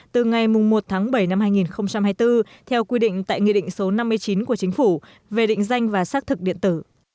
từ ngày một tháng bảy năm hai nghìn hai mươi bốn theo quy định tại nghị định số năm mươi chín của chính phủ về định danh và xác thực điện tử